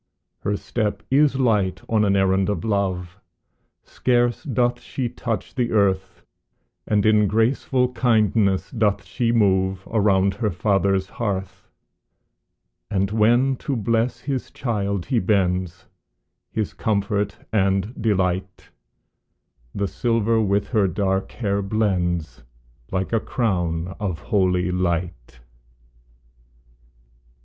Her step is light on an errand of love, Scarce doth she touch the earth, And in graceful kindness doth she move Around her father's hearth; And when to bless his child he bends, His comfort and delight, The silver with her dark hair blends, Like a crown of holy light.